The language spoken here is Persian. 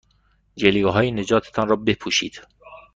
جلیقههای نجات تان را بپوشید.